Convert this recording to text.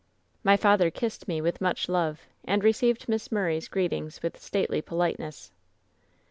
"My father kissed me with much love and received Miss Murray's greetings with stately politeness.